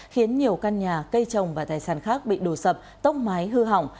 khiến nhiều căn nhà cây trồng và tài sản khác bị đổ sập tốc mái hư hỏng